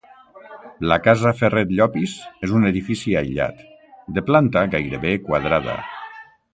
La casa Ferret Llopis és un edifici aïllat, de planta gairebé quadrada.